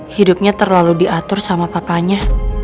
hidupnya terlalu diatur sama papanya